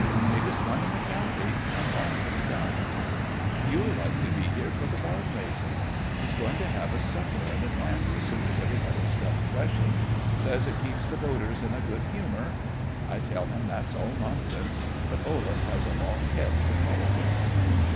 "Biggest one in the county, and almost done. You'll likely be here for the barn raising. He's going to have a supper and a dance as soon as everybody's done threshing. Says it keeps the voters in a good humor. I tell him that's all nonsense; but Olaf has a long head for politics."